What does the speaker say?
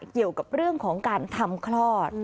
เกี่ยวกับเรื่องของการทำคลอด